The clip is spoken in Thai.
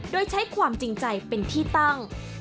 โดยใช้ความจริงใจเป็นที่ตั้ง